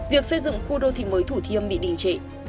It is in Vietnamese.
việc xây dựng khu đô thị mới thủ thiêm bị đình trệ